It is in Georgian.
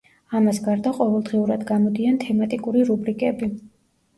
ამას გარდა ყოველდღიურად გამოდიან თემატიკური რუბრიკები.